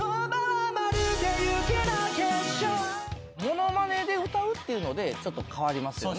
ものまねで歌うというのでちょっと変わりますよね。